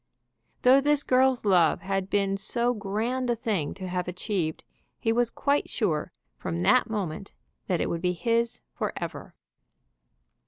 Though this girl's love had been so grand a thing to have achieved, he was quite sure from that moment that it would be his forever.